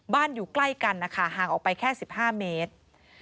บ้านอยู่ใกล้กันนะคะห่างออกไปแค่สิบห้าเมตร